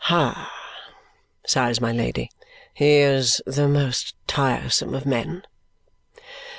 "Ha!" sighs my Lady. "He is the most tiresome of men!"